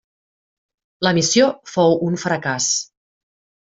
La missió fou un fracàs.